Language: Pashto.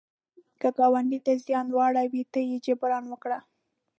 که ګاونډي ته زیان واړوي، ته یې جبران وکړه